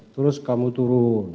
terus kamu turun